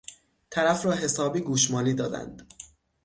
طرف را حسابی گوشمالی دادند